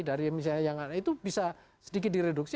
dari misalnya yang itu bisa sedikit direduksi